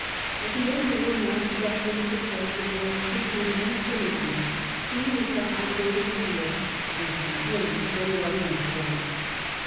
But the Emperor now stepped into the place of both tribune and Comitia; he was the high court of appeal, and from him there was no flight.